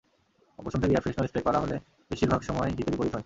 অপছন্দের air freshener spray করা হলে বেশির ভাগ সময় হিতে বিপরীত হয়।